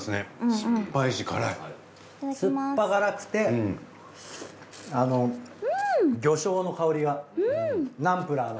酸っぱ辛くて魚醤の香りがナンプラーの。